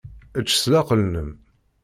Ečč s leɛqel-nnem.